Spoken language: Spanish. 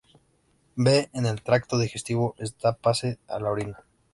B en el tracto digestivo, esta pase a la orina.